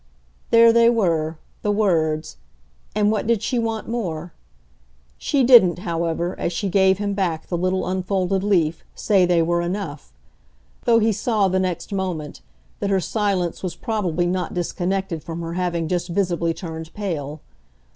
There they were, the words, and what did she want more? She didn't, however, as she gave him back the little unfolded leaf, say they were enough though he saw, the next moment, that her silence was probably not disconnected from her having just visibly turned pale.